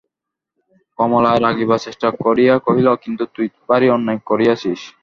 কমলা রাগিবার চেষ্টা করিয়া কহিল, কিন্তু তুই ভারি অন্যায় করিয়াছিস।